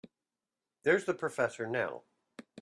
There's the professor now.